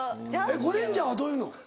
ゴレンジャーはどう言うの？